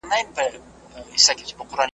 ځان دي هېر که ماته راسه پر ما ګرانه زه دي پایم .